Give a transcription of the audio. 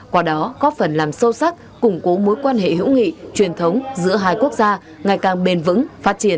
qua đó góp phần làm sâu sắc củng cố mối quan hệ hữu nghị truyền thống giữa hai quốc gia ngày càng bền vững phát triển